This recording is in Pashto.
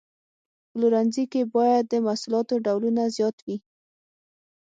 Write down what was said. په پلورنځي کې باید د محصولاتو ډولونه زیات وي.